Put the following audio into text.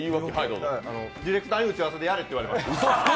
ディレクターに打ち合わせでやれって言われました。